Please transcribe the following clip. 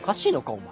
お前。